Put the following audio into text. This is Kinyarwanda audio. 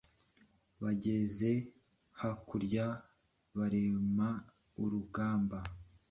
bageze hakurya barema urugamba